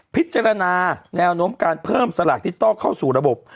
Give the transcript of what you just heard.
พิจารณาแนวโน้มการเพิ่มสลากดิจิทัลเข้าสู่ระบบ